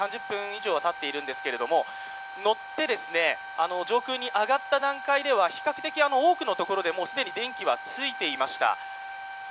３０分以上はたっているんですけれども、乗って上空に上がった段階では比較的、多くのところで既に電気はついていました。